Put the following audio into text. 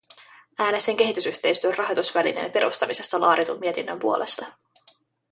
Äänestin kehitysyhteistyön rahoitusvälineen perustamisesta laaditun mietinnön puolesta.